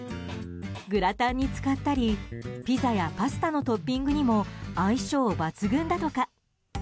グラタンに使ったりピザやパスタのトッピングにも相性抜群だとか。